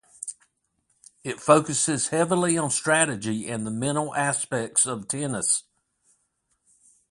It focuses heavily on strategy and the mental aspects of tennis.